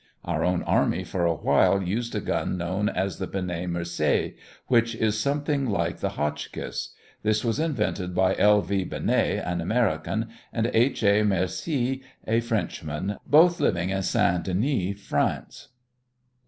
Our own army for a while used a gun known as the Benèt Mercié, which is something like the Hotchkiss. This was invented by L. V. Benèt, an American, and H. A. Mercié, a Frenchman, both living in St. Denis, France.